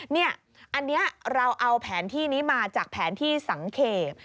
นี่อันนี้เราเอาแผนที่นี้มาจากแผนที่สังเกต